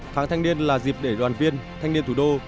tháng thanh niên là dịp để đoàn viên thanh niên thủ đô